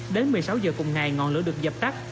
đến một mươi sáu giờ cùng ngày ngọn lửa được dập tắt